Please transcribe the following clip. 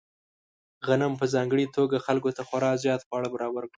غنم په ځانګړې توګه خلکو ته خورا زیات خواړه برابر کړل.